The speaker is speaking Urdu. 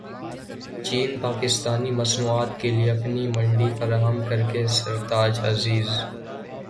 چین پاکستانی مصنوعات کیلئے اپنی منڈی فراہم کرے سرتاج عزیز